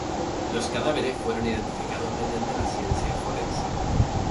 Los cadáveres fueron identificados mediante la ciencia forense.